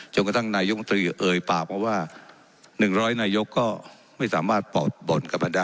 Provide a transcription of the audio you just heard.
จนกระทั่งนายุงตรีเอ่ยปราบว่าหนึ่งร้อยนายุกตรีก็ไม่สามารถปราบบ่นกับพนันได้